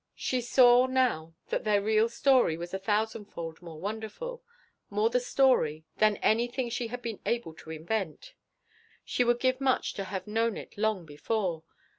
She saw now that their real story was a thousand fold more wonderful more the story than anything she had been able to invent. She would give much to have known it long before.